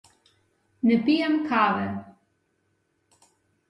Ne pijem kave.